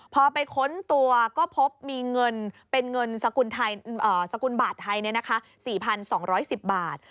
พอไปค้นตัวก็พบมีเงินเป็นเงินสกุลบาทไทย๔๒๑๐บาท